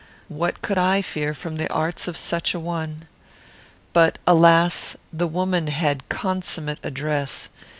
What could I fear from the arts of such a one? "But alas! the woman had consummate address.